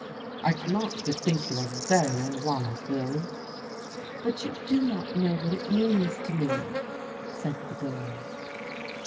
"I cannot but think you are very unwise, Will." "But you do not know what it means to me," said the boy.